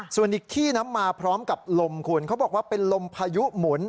ส่วนอีกที่นะมาพร้อมกับลมคุณเขาบอกว่าเป็นลมพายุหมุน